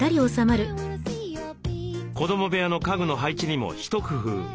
子ども部屋の家具の配置にも一工夫。